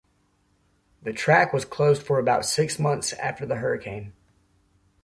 The track was closed for about six months after the hurricane.